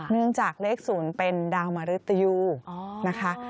เนื่องจากเลข๐เป็นดาวมริตยูนะคะ